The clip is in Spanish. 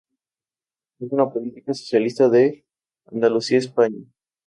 Es una política socialista de Andalucía, España.